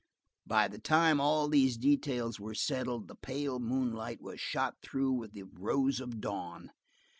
By the time all these details were settled the pale moonlight was shot through with the rose of dawn.